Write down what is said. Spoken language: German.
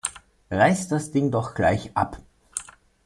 Reißt das Ding doch gleich ab!